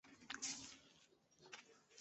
该党目前为执政联盟成员之一。